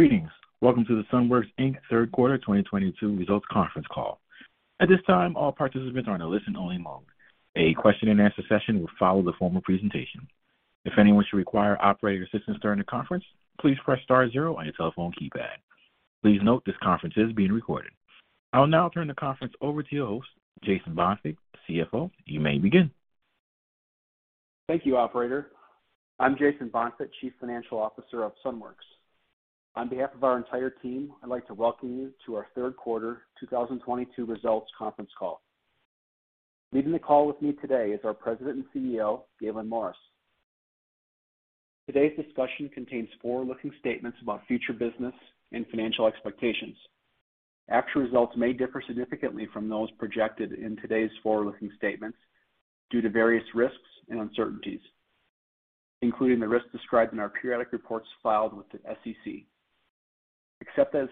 Greetings. Welcome to the Sunworks, Inc. Third Quarter 2022 Results Conference Call. At this time, all participants are on a listen only mode. A question and answer session will follow the formal presentation. If anyone should require operator assistance during the conference, please press star zero on your telephone keypad. Please note this conference is being recorded. I will now turn the conference over to your host, Jason Bonfigt, CFO. You may begin. Thank you, Operator. I'm Jason Bonfigt, Chief Financial Officer of Sunworks. On behalf of our entire team, I'd like to welcome you to our third quarter 2022 results conference call. Leading the call with me today is our President and CEO, Gaylon Morris. Today's discussion contains forward-looking statements about future business and financial expectations. Actual results may differ significantly from those projected in today's forward-looking statements due to various risks and uncertainties, including the risks described in our periodic reports filed with the SEC. Except as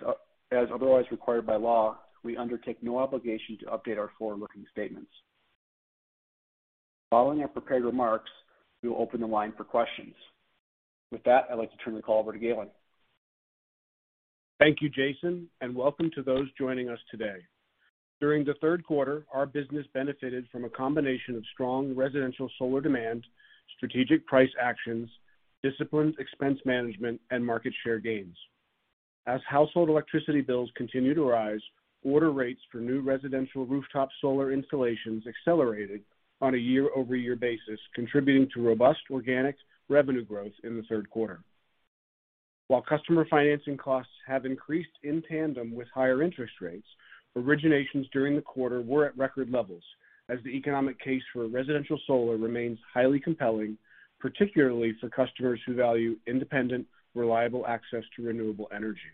otherwise required by law, we undertake no obligation to update our forward-looking statements. Following our prepared remarks, we will open the line for questions. With that, I'd like to turn the call over to Gaylon. Thank you, Jason, and welcome to those joining us today. During the third quarter, our business benefited from a combination of strong residential solar demand, strategic price actions, disciplined expense management, and market share gains. As household electricity bills continue to rise, order rates for new residential rooftop solar installations accelerated on a year-over-year basis, contributing to robust organic revenue growth in the third quarter. While customer financing costs have increased in tandem with higher interest rates, originations during the quarter were at record levels as the economic case for residential solar remains highly compelling, particularly for customers who value independent, reliable access to renewable energy.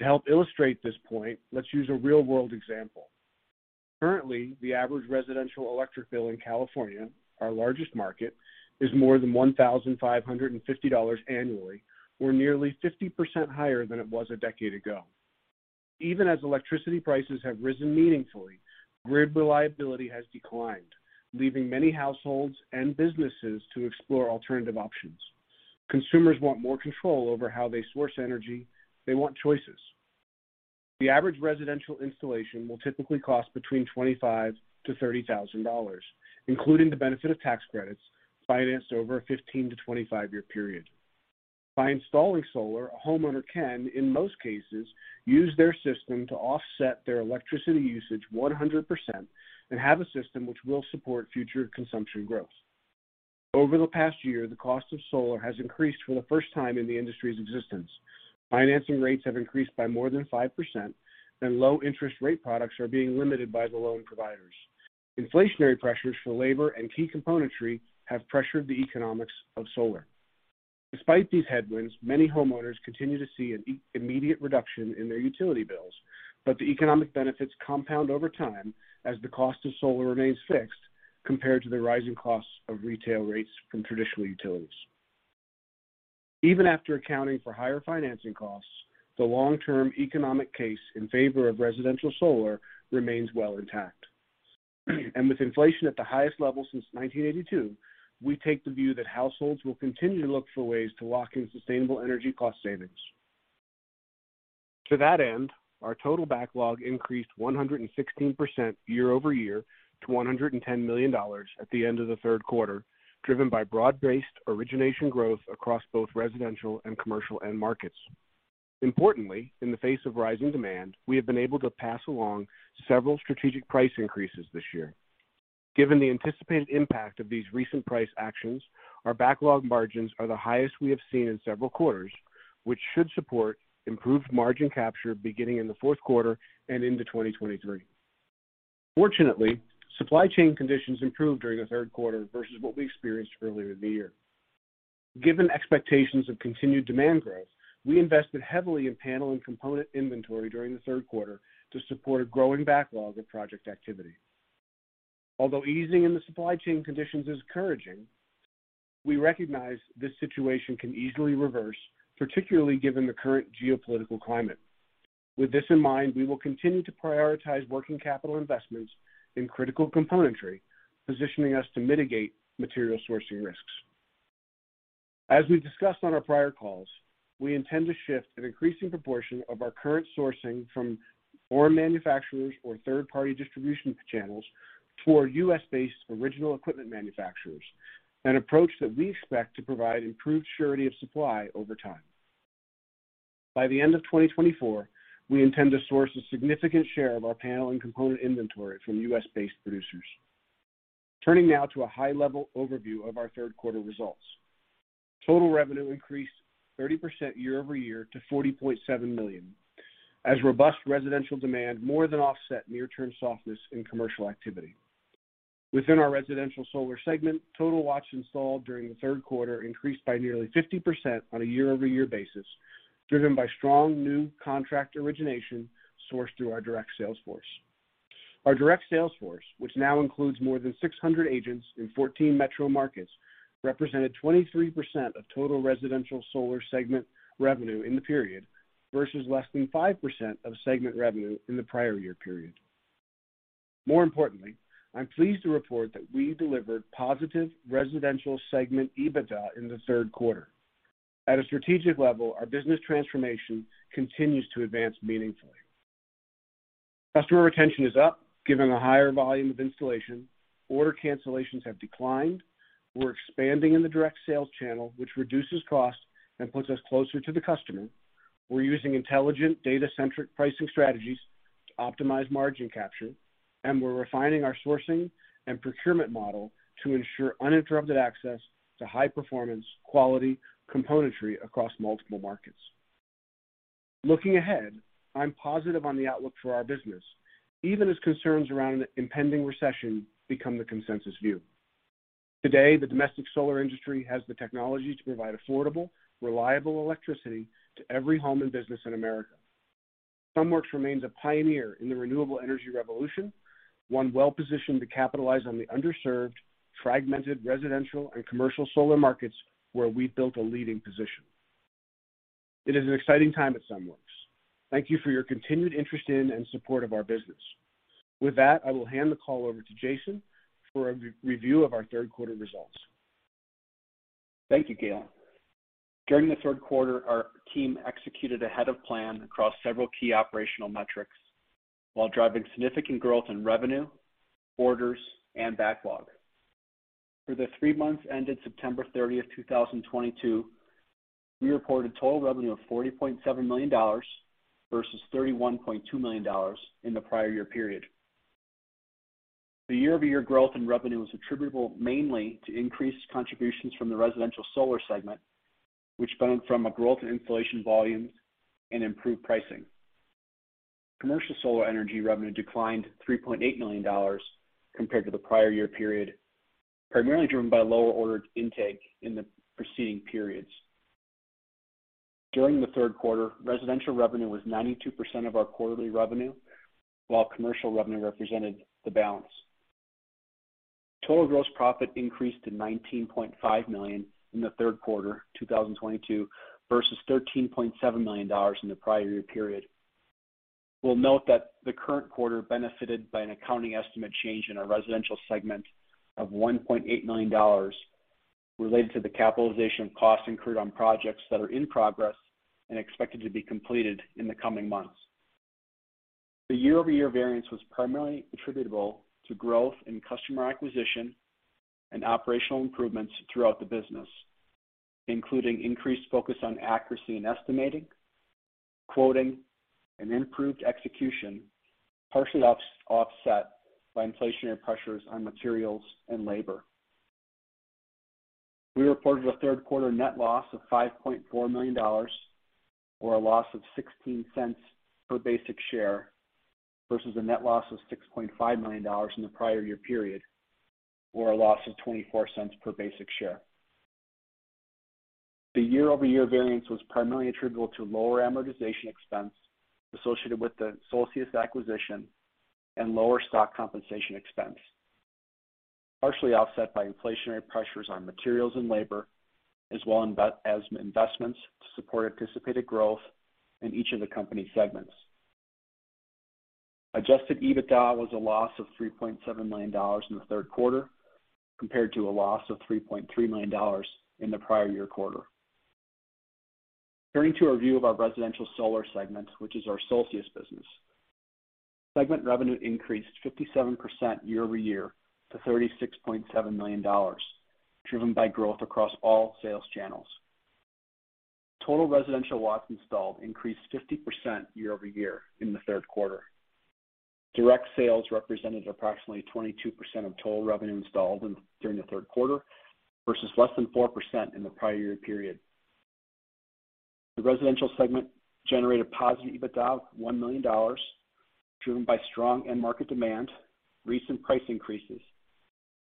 To help illustrate this point, let's use a real-world example. Currently, the average residential electric bill in California, our largest market, is more than $1,550 annually or nearly 50% higher than it was a decade ago. Even as electricity prices have risen meaningfully, grid reliability has declined, leaving many households and businesses to explore alternative options. Consumers want more control over how they source energy. They want choices. The average residential installation will typically cost between $25,000-$30,000, including the benefit of tax credits financed over a 15-25-year period. By installing solar, a homeowner can, in most cases, use their system to offset their electricity usage 100% and have a system which will support future consumption growth. Over the past year, the cost of solar has increased for the first time in the industry's existence. Financing rates have increased by more than 5% and low interest rate products are being limited by the loan providers. Inflationary pressures for labor and key componentry have pressured the economics of solar. Despite these headwinds, many homeowners continue to see an immediate reduction in their utility bills, but the economic benefits compound over time as the cost of solar remains fixed compared to the rising costs of retail rates from traditional utilities. Even after accounting for higher financing costs, the long-term economic case in favor of residential solar remains well intact. With inflation at the highest level since 1982, we take the view that households will continue to look for ways to lock in sustainable energy cost savings. To that end, our total backlog increased 116% year-over-year to $110 million at the end of the third quarter, driven by broad-based origination growth across both residential and commercial end markets. Importantly, in the face of rising demand, we have been able to pass along several strategic price increases this year. Given the anticipated impact of these recent price actions, our backlog margins are the highest we have seen in several quarters, which should support improved margin capture beginning in the fourth quarter and into 2023. Fortunately, supply chain conditions improved during the third quarter versus what we experienced earlier in the year. Given expectations of continued demand growth, we invested heavily in panel and component inventory during the third quarter to support a growing backlog of project activity. Although easing in the supply chain conditions is encouraging, we recognize this situation can easily reverse, particularly given the current geopolitical climate. With this in mind, we will continue to prioritize working capital investments in critical componentry, positioning us to mitigate material sourcing risks. As we discussed on our prior calls, we intend to shift an increasing proportion of our current sourcing from foreign manufacturers or third-party distribution channels toward US-based original equipment manufacturers, an approach that we expect to provide improved surety of supply over time. By the end of 2024, we intend to source a significant share of our panel and component inventory from US-based producers. Turning now to a high-level overview of our third quarter results. Total revenue increased 30% year-over-year to $40.7 million as robust residential demand more than offset near-term softness in commercial activity. Within our residential solar segment, total watts installed during the third quarter increased by nearly 50% on a year-over-year basis, driven by strong new contract origination sourced through our direct sales force. Our direct sales force, which now includes more than 600 agents in 14 metro markets, represented 23% of total residential solar segment revenue in the period versus less than 5% of segment revenue in the prior year period. More importantly, I'm pleased to report that we delivered positive residential segment EBITDA in the third quarter. At a strategic level, our business transformation continues to advance meaningfully. Customer retention is up, given a higher volume of installation. Order cancellations have declined. We're expanding in the direct sales channel, which reduces costs and puts us closer to the customer. We're using intelligent data-centric pricing strategies to optimize margin capture, and we're refining our sourcing and procurement model to ensure uninterrupted access to high-performance quality componentry across multiple markets. Looking ahead, I'm positive on the outlook for our business, even as concerns around an impending recession become the consensus view. Today, the domestic solar industry has the technology to provide affordable, reliable electricity to every home and business in America. Sunworks remains a pioneer in the renewable energy revolution, one well-positioned to capitalize on the underserved, fragmented residential and commercial solar markets where we've built a leading position. It is an exciting time at Sunworks. Thank you for your continued interest in and support of our business. With that, I will hand the call over to Jason for a review of our third quarter results. Thank you, Gaylon. During the third quarter, our team executed ahead of plan across several key operational metrics while driving significant growth in revenue, orders, and backlog. For the three months ended September 30th, 2022, we reported total revenue of $40.7 million versus $31.2 million in the prior year period. The year-over-year growth in revenue was attributable mainly to increased contributions from the residential solar segment, which stemmed from a growth in installation volumes and improved pricing. Commercial solar energy revenue declined $3.8 million compared to the prior year period, primarily driven by lower ordered intake in the preceding periods. During the third quarter, residential revenue was 92% of our quarterly revenue, while commercial revenue represented the balance. Total gross profit increased to $19.5 million in the third quarter 2022 versus $13.7 million in the prior year period. We'll note that the current quarter benefited by an accounting estimate change in our residential segment of $1.8 million related to the capitalization of costs incurred on projects that are in progress and expected to be completed in the coming months. The year-over-year variance was primarily attributable to growth in customer acquisition and operational improvements throughout the business, including increased focus on accuracy in estimating, quoting, and improved execution, partially offset by inflationary pressures on materials and labor. We reported a third quarter net loss of $5.4 million or a loss of $0.16 per basic share versus a net loss of $6.5 million in the prior year period, or a loss of $0.24 per basic share. The year-over-year variance was primarily attributable to lower amortization expense associated with the Solcius acquisition and lower stock compensation expense, partially offset by inflationary pressures on materials and labor, as well as investments to support anticipated growth in each of the company segments. Adjusted EBITDA was a loss of $3.7 million in the third quarter compared to a loss of $3.3 million in the prior year quarter. Turning to our view of our residential solar segment, which is our Solcius business. Segment revenue increased 57% year-over-year to $36.7 million, driven by growth across all sales channels. Total residential watts installed increased 50% year-over-year in the third quarter. Direct sales represented approximately 22% of total revenue installed during the third quarter versus less than 4% in the prior year period. The residential segment generated positive EBITDA of $1 million, driven by strong end market demand, recent price increases,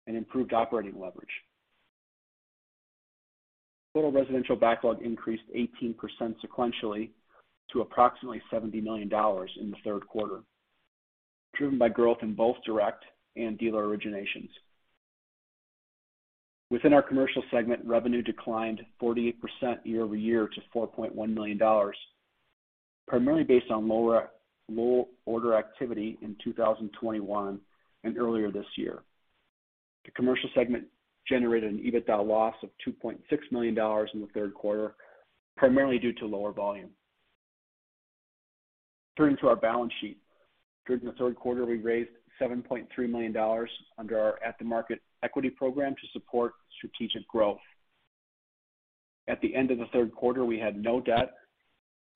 and improved operating leverage. Total residential backlog increased 18% sequentially to approximately $70 million in the third quarter, driven by growth in both direct and dealer originations. Within our commercial segment, revenue declined 48% year-over-year to $4.1 million, primarily based on low order activity in 2021 and earlier this year. The commercial segment generated an EBITDA loss of $2.6 million in the third quarter, primarily due to lower volume. Turning to our balance sheet. During the third quarter, we raised $7.3 million under our at-the-market equity program to support strategic growth. At the end of the third quarter, we had no debt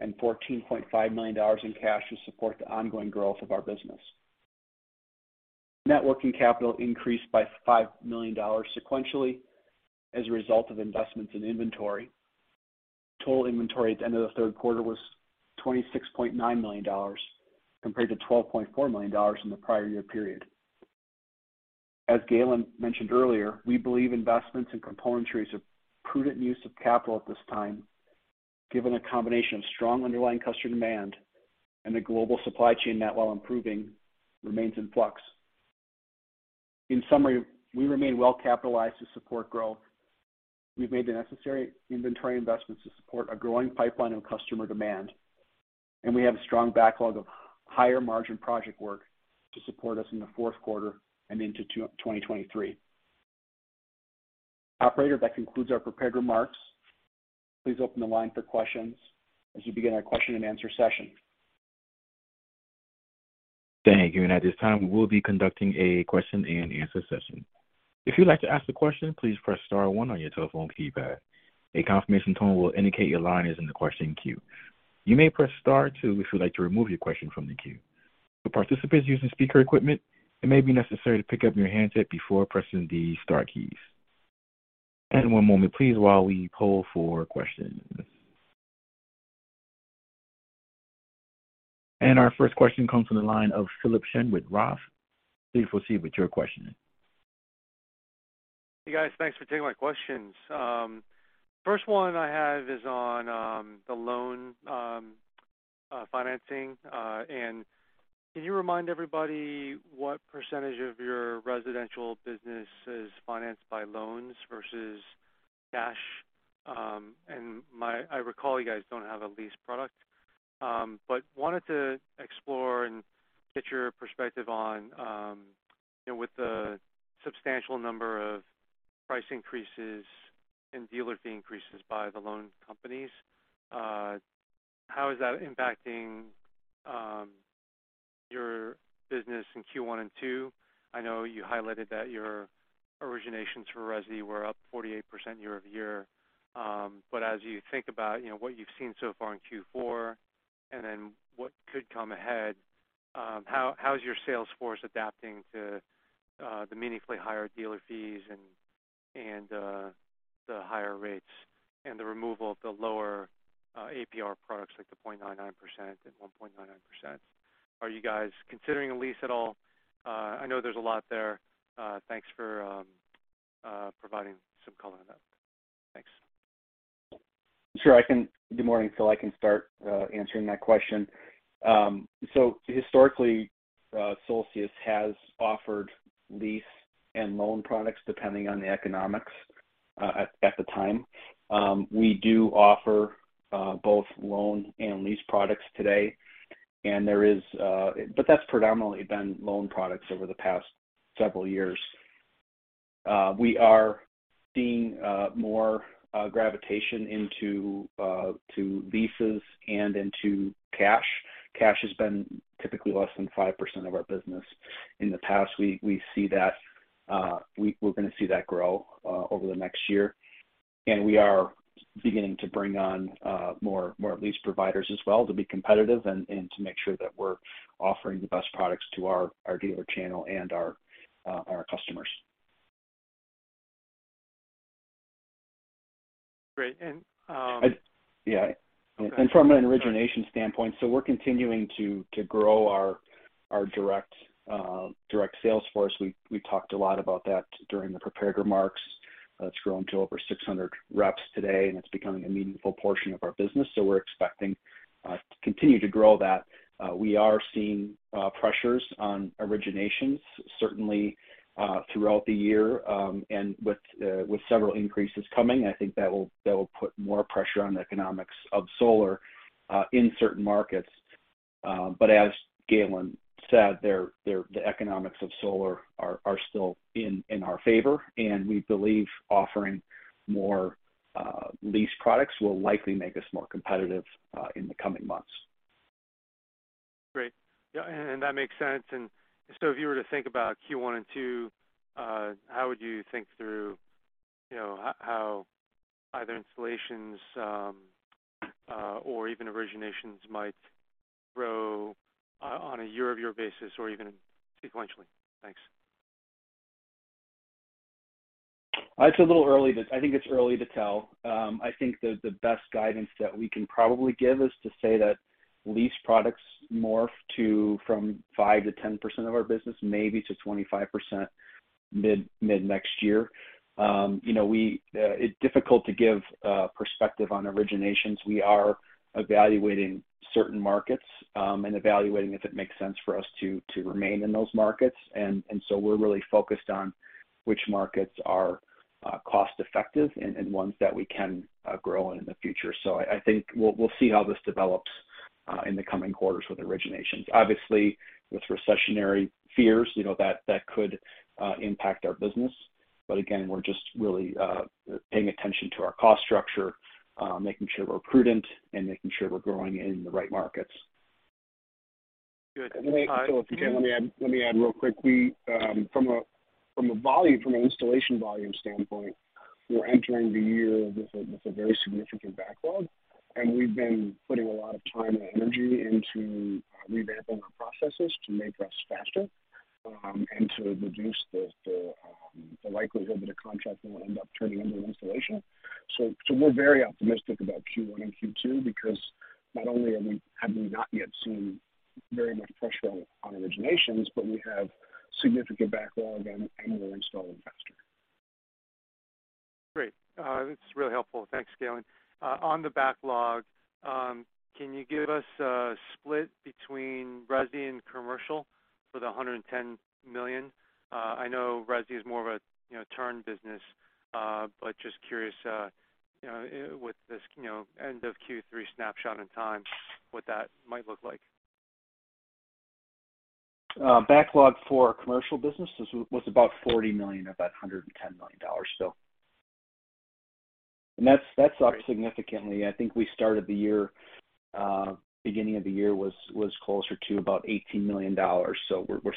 and $14.5 million in cash to support the ongoing growth of our business. Net working capital increased by $5 million sequentially as a result of investments in inventory. Total inventory at the end of the third quarter was $26.9 million compared to $12.4 million in the prior year period. As Gaylon mentioned earlier, we believe investments in components is a prudent use of capital at this time, given a combination of strong underlying customer demand and the global supply chain that, while improving, remains in flux. In summary, we remain well capitalized to support growth. We've made the necessary inventory investments to support a growing pipeline of customer demand, and we have a strong backlog of higher margin project work to support us in the fourth quarter and into 2023. Operator, that concludes our prepared remarks. Please open the line for questions as you begin our question and answer session. Thank you. At this time, we will be conducting a question and answer session. If you'd like to ask a question, please press star one on your telephone keypad. A confirmation tone will indicate your line is in the question queue. You may press star two if you'd like to remove your question from the queue. For participants using speaker equipment, it may be necessary to pick up your handset before pressing the star keys. One moment please while we pull for questions. Our first question comes from the line of Philip Shen with Roth. Please proceed with your question. Hey, guys. Thanks for taking my questions. First one I have is on the loan financing. Can you remind everybody what percentage of your residential business is financed by loans versus cash? I recall you guys don't have a lease product. Wanted to explore and get your perspective on, you know, with the substantial number of price increases and dealer fee increases by the loan companies, how is that impacting your business in Q1 and Q2? I know you highlighted that your originations for resi were up 48% year-over-year. As you think about, you know, what you've seen so far in Q4 and then what could come ahead, how is your sales force adapting to the meaningfully higher dealer fees and the higher rates and the removal of the lower APR products like the 0.99% and 1.99%? Are you guys considering a lease at all? I know there's a lot there. Thanks for providing some color on that. Thanks. Good morning, Philip, I can start answering that question. Historically, Solcius has offered lease and loan products depending on the economics at the time. We do offer both loan and lease products today, but that's predominantly been loan products over the past several years. We are seeing more gravitation to leases and into cash. Cash has been typically less than 5% of our business. In the past week we see that we're gonna see that grow over the next year. We are beginning to bring on more lease providers as well to be competitive and to make sure that we're offering the best products to our dealer channel and our customers. Great. Yeah. From an origination standpoint, we're continuing to grow our direct sales force. We talked a lot about that during the prepared remarks. It's grown to over 600 reps today, and it's becoming a meaningful portion of our business. We're expecting to continue to grow that. We are seeing pressures on originations certainly throughout the year, and with several increases coming, I think that will put more pressure on the economics of solar in certain markets. But as Gaylon said, the economics of solar are still in our favor, and we believe offering more lease products will likely make us more competitive in the coming months. Great. Yeah, that makes sense. If you were to think about Q1 and Q2, how would you think through, you know, how either installations or even originations might grow on a year-over-year basis or even sequentially? Thanks. I think it's early to tell. I think the best guidance that we can probably give is to say that lease products morph from 5%-10% of our business maybe to 25% mid next year. You know, it's difficult to give perspective on originations. We are evaluating certain markets and evaluating if it makes sense for us to remain in those markets. So we're really focused on which markets are cost effective and ones that we can grow in the future. I think we'll see how this develops in the coming quarters with originations. Obviously, with recessionary fears, you know, that could impact our business. Again, we're just really paying attention to our cost structure, making sure we're prudent and making sure we're growing in the right markets. Good. Philip, if you can let me add real quick. We from an installation volume standpoint, we're entering the year with a very significant backlog, and we've been putting a lot of time and energy into revamping our processes to make us faster and to reduce the likelihood that a contract will end up turning into an installation. We're very optimistic about Q1 and Q2 because not only have we not yet seen very much pressure on originations, but we have significant backlog and we're installing faster. Great. It's really helpful. Thanks, Gaylon. On the backlog, can you give us a split between resi and commercial for the $110 million? I know resi is more of a, you know, turnkey business, but just curious, you know, with this, you know, end of Q3 snapshot in time, what that might look like. Backlog for our commercial business was about $40 million of that $110 million. That's up significantly. I think we started the year, beginning of the year was closer to about $18 million. We're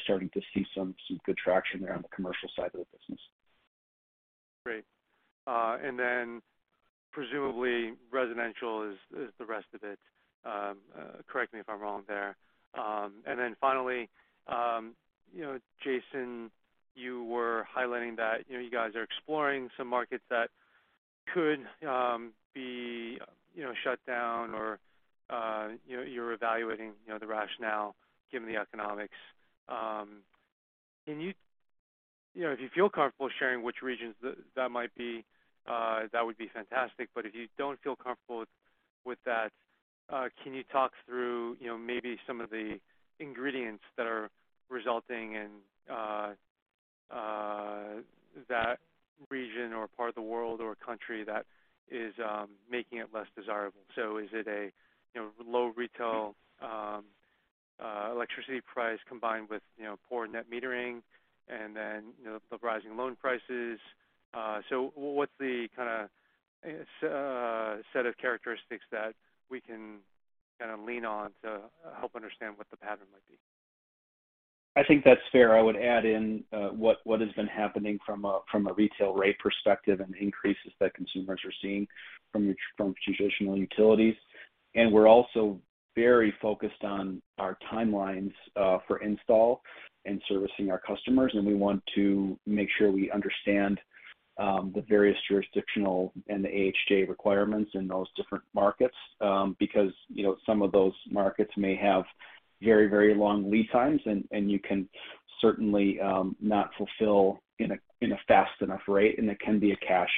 starting to see some good traction there on the commercial side of the business. Great. Presumably residential is the rest of it. Correct me if I'm wrong there. Finally, you know, Jason, you were highlighting that, you know, you guys are exploring some markets that could be, you know, shut down or, you know, you're evaluating, you know, the rationale given the economics. Can you know, if you feel comfortable sharing which regions that might be, that would be fantastic. If you don't feel comfortable with that, can you talk through, you know, maybe some of the ingredients that are resulting in that region or part of the world or country that is making it less desirable? Is it a, you know, low retail electricity price combined with, you know, poor net metering and then, you know, the rising loan prices? What's the kinda set of characteristics that we can kinda lean on to help understand what the pattern might be? I think that's fair. I would add in what has been happening from a retail rate perspective and increases that consumers are seeing from traditional utilities. We're also very focused on our timelines for install and servicing our customers. We want to make sure we understand the various jurisdictional and the AHJ requirements in those different markets. Because, you know, some of those markets may have very long lead times, and you can certainly not fulfill in a fast enough rate, and it can be a cash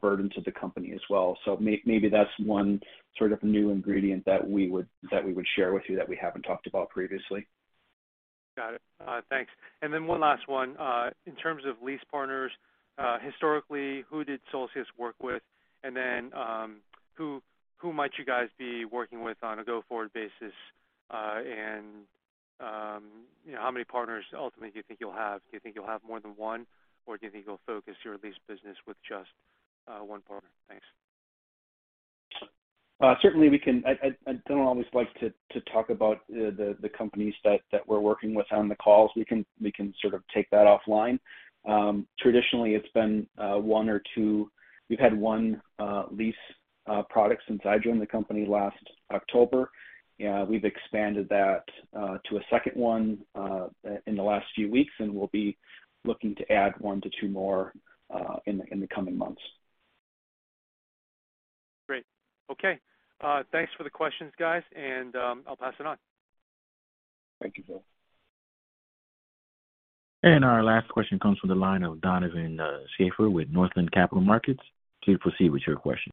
burden to the company as well. Maybe that's one sort of new ingredient that we would share with you that we haven't talked about previously. Got it. Thanks. One last one. In terms of lease partners, historically, who did Solcius work with? Who might you guys be working with on a go-forward basis? You know, how many partners ultimately do you think you'll have? Do you think you'll have more than one or do you think you'll focus your lease business with just one partner? Thanks. Certainly we can. I don't always like to talk about the companies that we're working with on the calls. We can sort of take that offline. Traditionally it's been one or two. We've had one lease product since I joined the company last October. We've expanded that to a second one in the last few weeks, and we'll be looking to add one to two more in the coming months. Great. Okay. Thanks for the questions, guys, and I'll pass it on. Thank you, Phil. Our last question comes from the line of Donovan Schafer with Northland Capital Markets. Please proceed with your question.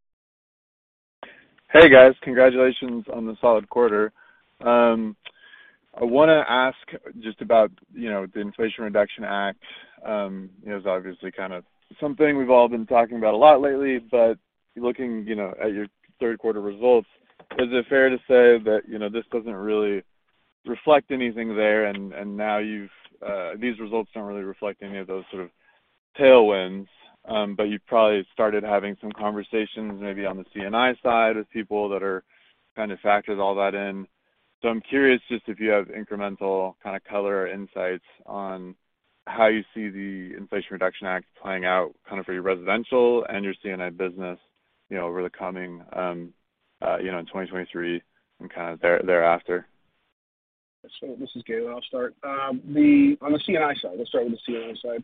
Hey, guys. Congratulations on the solid quarter. I wanna ask just about, you know, the Inflation Reduction Act. It was obviously kind of something we've all been talking about a lot lately, but looking, you know, at your third quarter results, is it fair to say that, you know, this doesn't really reflect anything there and now these results don't really reflect any of those sort of tailwinds, but you've probably started having some conversations maybe on the C&I side with people that are kinda factored all that in. I'm curious just if you have incremental kinda color or insights on how you see the Inflation Reduction Act playing out kind of for your residential and your C&I business, you know, over the coming, you know, in 2023 and kinda thereafter. This is Gaylon. I'll start. On the C&I side, let's start with the C&I side.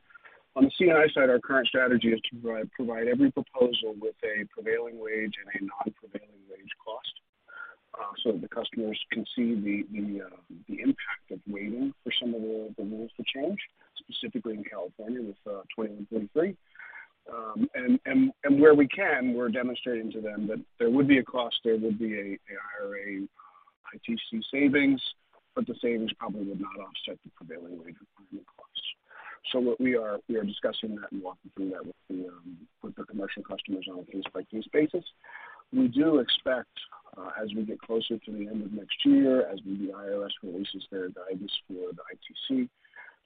On the C&I side, our current strategy is to provide every proposal with a prevailing wage and a non-prevailing wage cost, so that the customers can see the impact of waiting for some of the rules to change, specifically in California with 2023. Where we can, we're demonstrating to them that there would be a cost, an IRA ITC savings, but the savings probably would not offset the prevailing wage cost. We are discussing that and walking through that with the commercial customers on a case-by-case basis. We do expect, as we get closer to the end of next year, as the IRS releases their guidance for the ITC,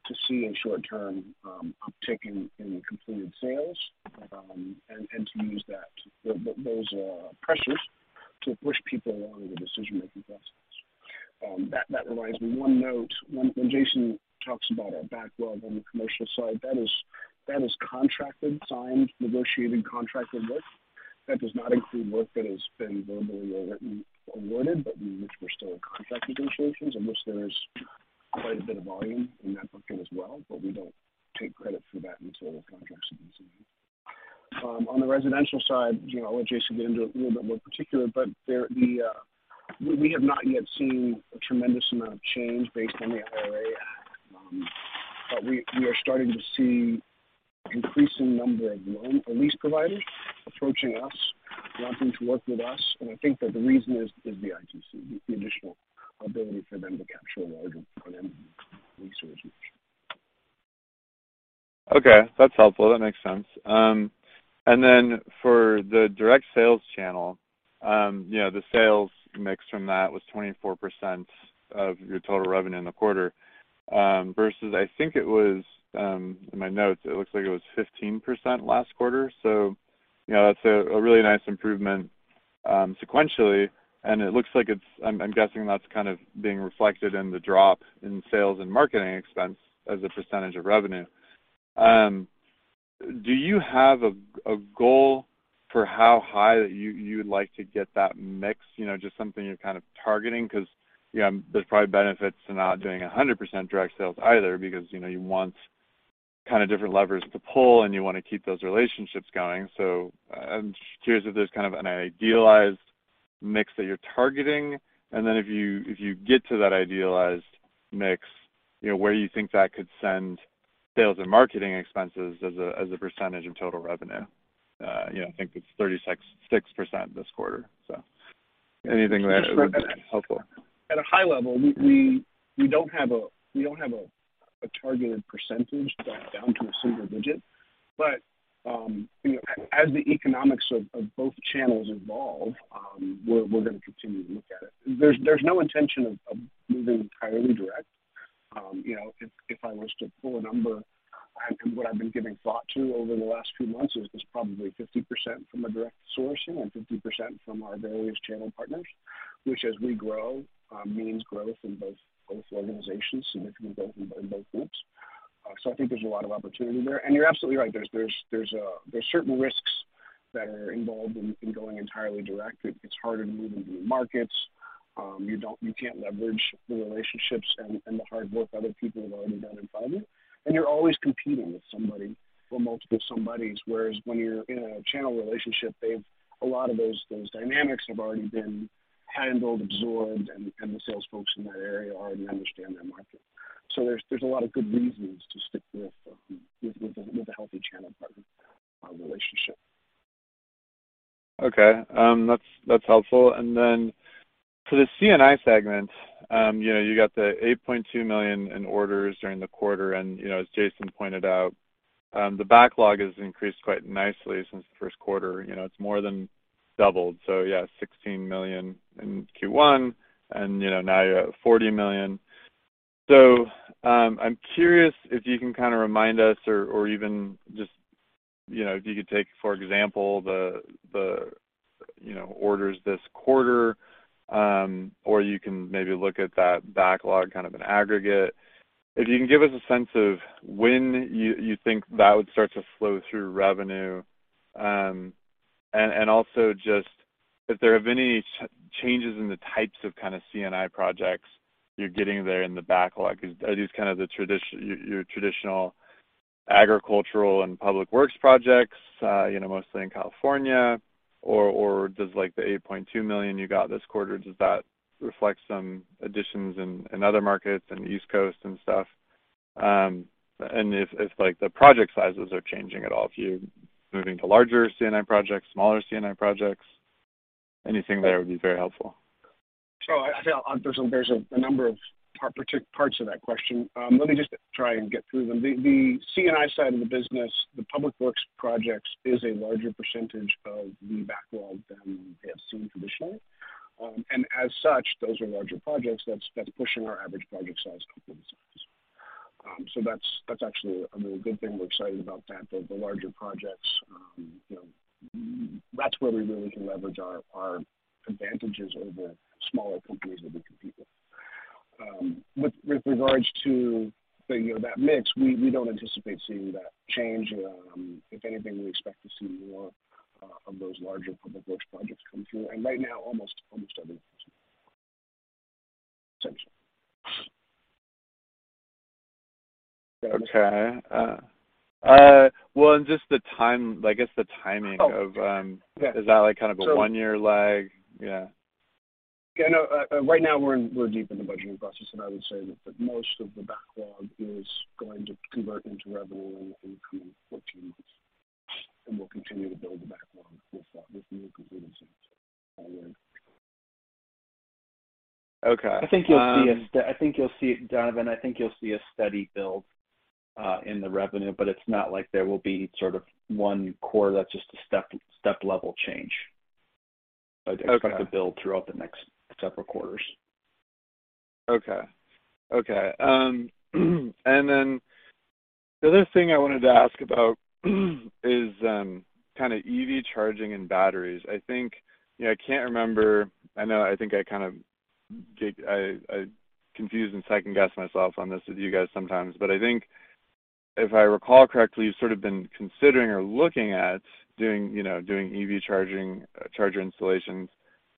to see a short-term uptick in completed sales, and to use that, those pressures to push people along in the decision-making process. That reminds me, one note. When Jason talks about our backlog on the commercial side, that is contracted, signed, negotiated contracted work. That does not include work that has been verbally or written awarded, but which we're still in contract negotiations, in which there's quite a bit of volume in that bucket as well, but we don't take credit for that until the contract's been signed. On the residential side, you know, I'll let Jason get into it a little bit more particularly, but we have not yet seen a tremendous amount of change based on the IRA. We are starting to see increasing number of loan or lease providers approaching us, wanting to work with us. I think that the reason is the ITC, the additional ability for them to capture a larger component. Okay. That's helpful. That makes sense. And then for the direct sales channel, you know, the sales mix from that was 24% of your total revenue in the quarter, versus I think it was, in my notes, it looks like it was 15% last quarter. You know, that's a really nice improvement, sequentially, and it looks like I'm guessing that's kind of being reflected in the drop in sales and marketing expense as a percentage of revenue. Do you have a goal for how high you'd like to get that mix? You know, just something you're kind of targeting. 'Cause, you know, there's probably benefits to not doing 100% direct sales either because, you know, you want kinda different levers to pull, and you wanna keep those relationships going. I'm curious if there's kind of an idealized mix that you're targeting. Then if you get to that idealized mix, where you think that could send sales and marketing expenses as a percentage of total revenue? I think it's 36.6% this quarter. Anything there would be helpful. At a high level, we don't have a targeted percentage down to a single digit. You know, as the economics of both channels evolve, we're gonna continue to look at it. There's no intention of moving entirely direct. You know, if I was to pull a number, what I've been giving thought to over the last few months is probably 50% from a direct sourcing and 50% from our various channel partners, which as we grow, means growth in both organizations, significant growth in both groups. I think there's a lot of opportunity there. You're absolutely right. There's certain risks that are involved in going entirely direct. It's harder to move into new markets. You can't leverage the relationships and the hard work other people have already done in front of you. You're always competing with somebody or multiple somebodies, whereas when you're in a channel relationship, a lot of those dynamics have already been handled, absorbed, and the sales folks in that area already understand that market. There's a lot of good reasons to stick with a healthy channel partner relationship. Okay. That's helpful. For the C&I segment, you know, you got the $8.2 million in orders during the quarter. You know, as Jason pointed out, the backlog has increased quite nicely since the first quarter. You know, it's more than doubled. Yeah, $16 million in Q1, and, you know, now you're at $40 million. I'm curious if you can kinda remind us or even just, you know, if you could take, for example, the you know, orders this quarter, or you can maybe look at that backlog, kind of an aggregate. If you can give us a sense of when you think that would start to flow through revenue. Also just if there have been any changes in the types of kinda C&I projects you're getting there in the backlog. Are these kind of the your traditional agricultural and public works projects, you know, mostly in California? Does like the $8.2 million you got this quarter, does that reflect some additions in other markets in the East Coast and stuff? If like the project sizes are changing at all, if you're moving to larger C&I projects, smaller C&I projects, anything there would be very helpful. I feel there's a number of parts of that question. Let me just try and get through them. The C&I side of the business, the public works projects, is a larger percentage of the backlog than we have seen traditionally. As such, those are larger projects that's pushing our average project size up in size. That's actually a really good thing. We're excited about that. The larger projects, you know, that's where we really can leverage our advantages over smaller companies that we compete with. With regards to the, you know, that mix, we don't anticipate seeing that change. If anything, we expect to see more of those larger public works projects come through. Right now, almost every. Okay. Well, just the time, I guess the timing of. Oh. Is that like kind of a one-year lag? Yeah. Yeah, no, right now we're deep in the budgeting process, and I would say that most of the backlog is going to convert into revenue in the upcoming 14 months. We'll continue to build the backlog with new commitments. Okay. I think you'll see, Donovan, I think you'll see a steady build in the revenue, but it's not like there will be sort of one core that's just a step level change. Okay. Expect to build throughout the next several quarters. Okay. The other thing I wanted to ask about is kinda EV charging and batteries. You know, I can't remember. I know, I think I confuse and second-guess myself on this with you guys sometimes. But I think if I recall correctly, you've sort of been considering or looking at doing you know, EV charging charger installations.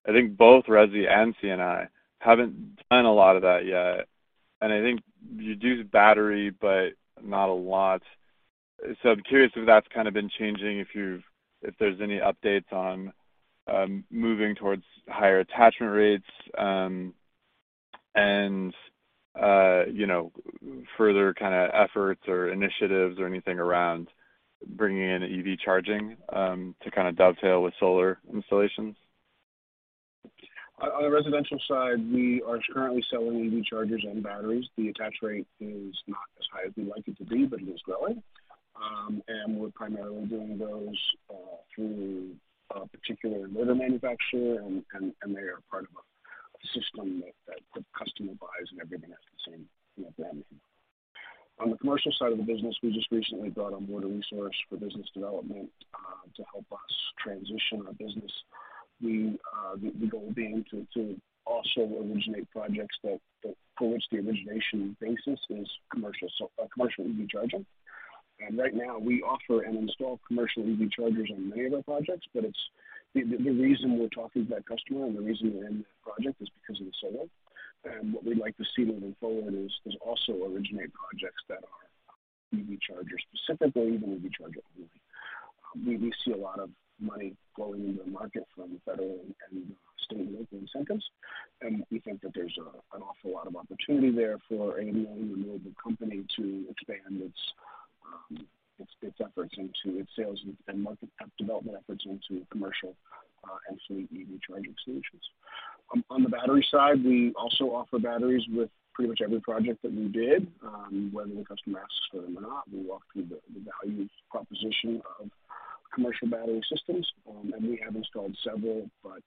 I think both Resi and C&I haven't done a lot of that yet. And I think you do the battery, but not a lot. I'm curious if that's kind of been changing, if there's any updates on moving towards higher attachment rates, and you know, further kinda efforts or initiatives or anything around bringing in EV charging to kinda dovetail with solar installations. On the residential side, we are currently selling EV chargers and batteries. The attach rate is not as high as we'd like it to be, but it is growing. We're primarily doing those through a particular motor manufacturer and they are part of a system that the customer buys and everything has the same, you know, brand name. On the commercial side of the business, we just recently brought on board a resource for business development to help us transition our business. The goal being to also originate projects that for which the origination basis is commercial so commercial EV charging. Right now we offer and install commercial EV chargers on many of our projects, but it's the reason we're talking to that customer and the reason we're in that project is because of the solar. What we'd like to see moving forward is also originate projects that are EV chargers specifically, the EV charger only. We see a lot of money flowing into the market from federal and state and local incentives, and we think that there's an awful lot of opportunity there for any young renewable company to expand its efforts into its sales and market development efforts into commercial and fleet EV charging solutions. On the battery side, we also offer batteries with pretty much every project that we did, whether the customer asks for them or not. We walk through the value proposition of commercial battery systems. We have installed several but,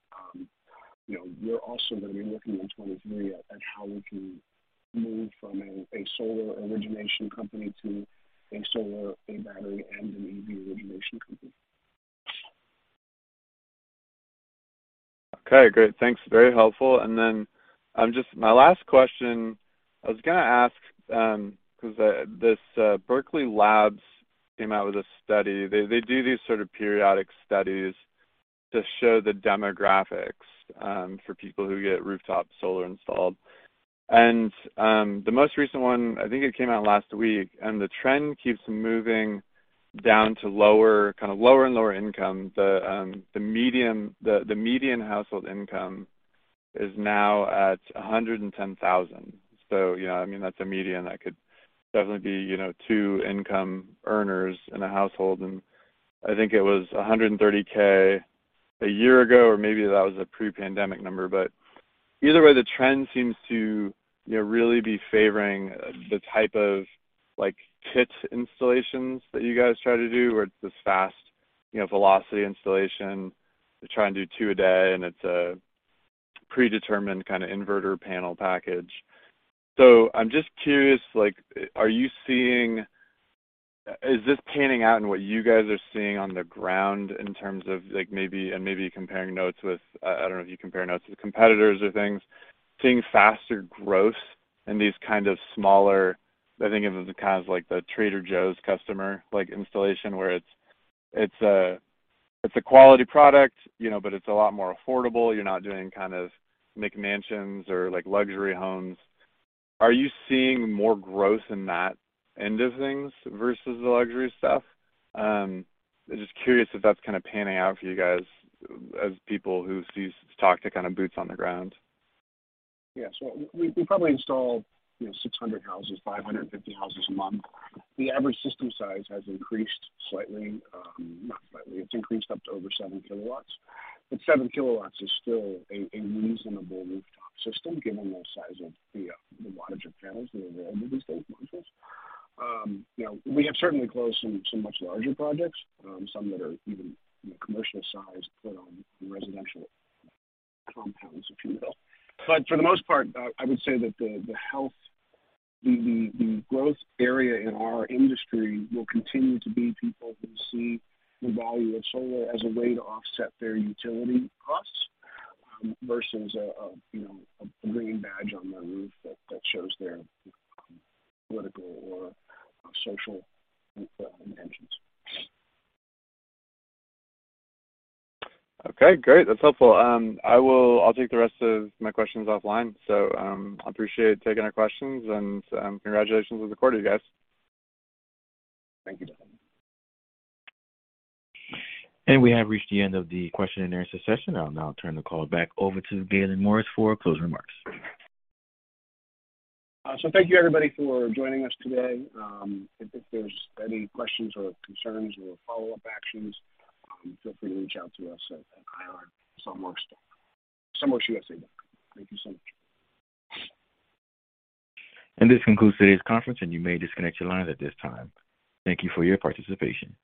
you know, we're also gonna be looking in 2023 at how we can move from a solar origination company to a solar, a battery, and an EV origination company. Okay, great. Thanks. Very helpful. Just my last question I was gonna ask, 'cause this Berkeley Lab's came out with a study. They do these sorts of periodic studies to show the demographics for people who get rooftop solar installed. The most recent one, I think it came out last week, and the trend keeps moving down to lower, kind of lower and lower income. The median household income is now at $110,000. You know, I mean, that's a median. That could definitely be, you know, two income earners in a household. I think it was $130,000 a year ago, or maybe that was a pre-pandemic number. Either way, the trend seems to, you know, really be favoring the type of like kit installations that you guys try to do where it's this fast, you know, velocity installation. They try and do 2 a day, and it's a predetermined kinda inverter panel package. So, I'm just curious, like, Is this panning out in what you guys are seeing on the ground in terms of like maybe, and maybe comparing notes with, I don't know if you compare notes with competitors or things, seeing faster growth in this kind of smaller. I think it is kind of like the Trader Joe's customer, like installation where it's a quality product, you know, but it's a lot more affordable. You're not doing kind of McMansions or like luxury homes. Are you seeing more growth in that end of things versus the luxury stuff? I'm just curious if that's kinda panning out for you guys as people who talk to kind of boots on the ground. Yeah. We probably install, you know, 600 houses, 550 houses a month. The average system size has increased slightly. Not slightly. It's increased up to over 7 kW. 7 kW is still a reasonable rooftop system given the size of the wattage of panels that are available these days, modules. You know, we have certainly closed some much larger projects, some that are even, you know, commercial sized, put on residential compounds, if you will. For the most part, I would say that the health, the growth area in our industry will continue to be people who see the value of solar as a way to offset their utility costs, versus a, you know, a green badge on their roof that shows their political or social intentions. Okay, great. That's helpful. I'll take the rest of my questions offline. Appreciate taking our questions and congratulations on the quarter, you guys. Thank you. We have reached the end of the question-and-answer session. I'll now turn the call back over to Gaylon Morris for closing remarks. Thank you everybody for joining us today. If there's any questions or concerns or follow-up actions, feel free to reach out to us at IR Sunworks USA. Thank you so much. This concludes today's conference, and you may disconnect your lines at this time. Thank you for your participation.